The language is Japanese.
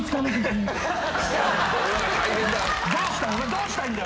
どうしたんだ？